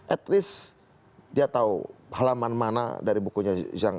at least dia tahu halaman mana dari bukunya